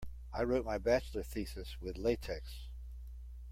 I wrote my bachelor thesis with latex.